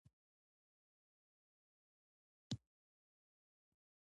کابل په ټول افغانستان کې د خلکو د خوښې ځای دی.